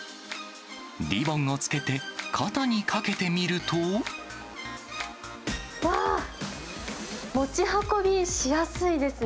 リボンをつけて肩に掛けてみわー、持ち運びしやすいですね。